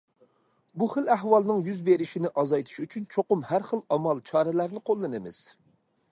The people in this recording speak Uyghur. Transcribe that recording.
بۇ خىل ئەھۋالنىڭ يۈز بېرىشىنى ئازايتىش ئۈچۈن چوقۇم ھەر خىل ئامال- چارىلەرنى قوللىنىمىز.